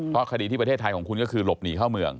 เพราะคดีที่ประเทศไทยของคุณก็คือหลบหนีเข้าเมือง